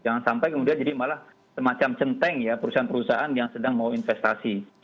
jangan sampai kemudian jadi malah semacam centeng ya perusahaan perusahaan yang sedang mau investasi